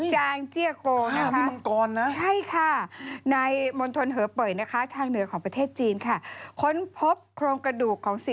หลักษณะนะคะ